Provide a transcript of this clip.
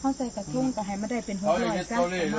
เขาใส่กระทุ่งก็ให้มาได้เป็นฮุตฮัวจ้ะ